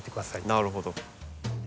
なるほど。